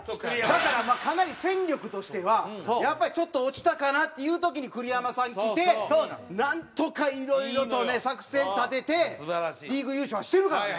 だからかなり戦力としてはやっぱりちょっと落ちたかなっていう時に栗山さん来てなんとかいろいろとね作戦立ててリーグ優勝はしてるからね！